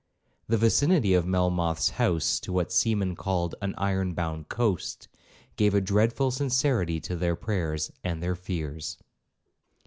The vicinity of Melmoth's house to what seamen called an iron bound coast, gave a dreadful sincerity to their prayers and their fears.